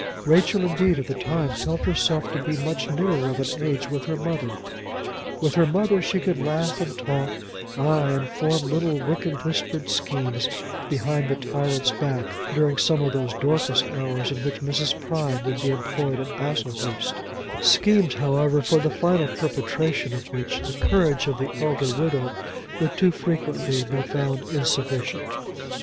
Rachel indeed, at the time, felt herself to be much nearer of an age with her mother. With her mother she could laugh and talk, ay, and form little wicked whispered schemes behind the tyrant's back, during some of those Dorcas hours, in which Mrs. Prime would be employed at Baslehurst; schemes, however, for the final perpetration of which, the courage of the elder widow would too frequently be found insufficient.